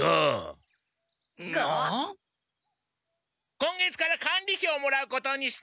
今月から管理費をもらうことにした！